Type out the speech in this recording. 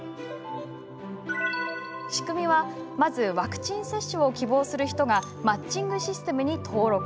仕組みはまずワクチン接種を希望する人がマッチングシステムに登録。